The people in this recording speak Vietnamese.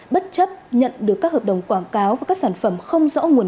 bất chấp nhận được các hợp đồng quảng cáo và các sản phẩm không rõ nguồn gốc